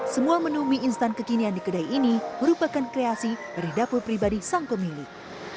semua menu mie instan kekinian di kedai ini merupakan kreasi dari dapur pribadi sang pemilik